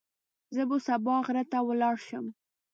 زه به سبا غر ته ولاړ شم.